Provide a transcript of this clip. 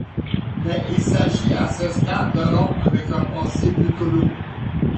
Mais il s'agit à ce stade de rompre avec un passé plutôt lourd.